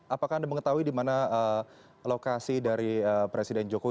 apakah anda mengetahui di mana lokasi dari presiden jokowi